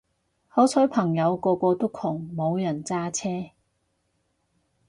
好彩朋友個個都窮冇人揸車